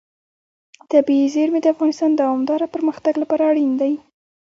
طبیعي زیرمې د افغانستان د دوامداره پرمختګ لپاره اړین دي.